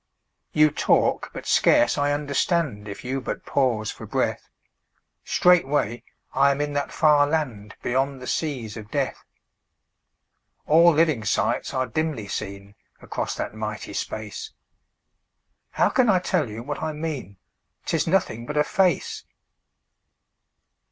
You talk, but scarce I understand; If you but pause for breath, Straightway I am in that far land Beyond the seas of Death. All living sights are dimly seen Across that mighty space How can I tell you what I mean? 'Tis nothing but a face.